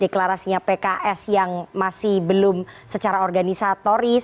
deklarasinya pks yang masih belum secara organisatoris